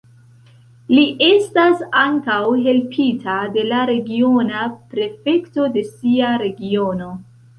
Li estas ankaŭ helpita de la regiona prefekto de sia regiono.